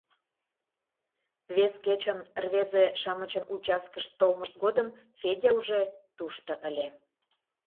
Вес кечын рвезе-шамычын участкышт толмышт годым Федя уже тушто ыле.